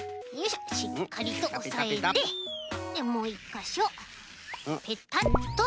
しっかりとおさえてでもう１かしょペタッと。